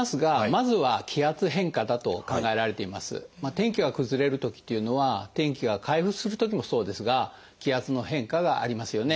天気が崩れるときというのは天気が回復するときもそうですが気圧の変化がありますよね。